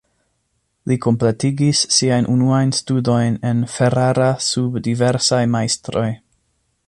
Li kompletigis siajn unuajn studojn en Ferrara sub diversaj majstroj.